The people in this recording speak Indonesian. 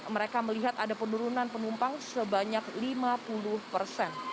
mereka melihat ada penurunan penumpang sebanyak lima puluh persen